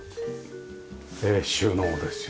収納ですよね。